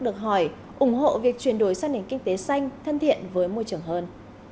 được hỏi ủng hộ việc chuyển đổi sang nền kinh tế xanh thân thiện với môi trường hơn